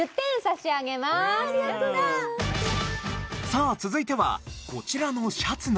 さあ続いてはこちらのシャツの色。